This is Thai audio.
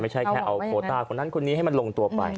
ไม่ใช่แค่เอาโคต้าคนนั้นคนนี้ให้มันลงตัวไป